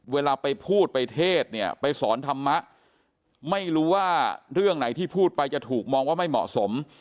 เวลาไปพูดไปเทศเนี่ยไปสอนธรรมะไม่รู้ว่าเรื่องไหนที่พูดไปจะถูกมองว่าไม่เหมาะสม